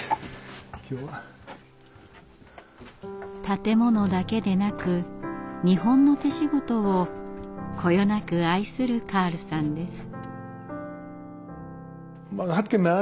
建物だけでなく日本の手仕事をこよなく愛するカールさんです。